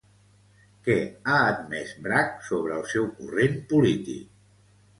Què ha admès Bragg sobre el seu corrent polític?